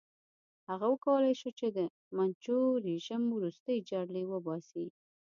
هغه وکولای شو چې د منچو رژیم ورستۍ جرړې وباسي.